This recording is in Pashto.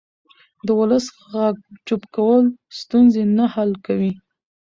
د ولس غږ چوپ کول ستونزې نه حل کوي